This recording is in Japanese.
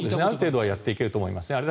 ある程度はやっていけると思いますね。